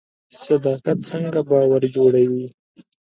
صداقت څنګه باور جوړوي؟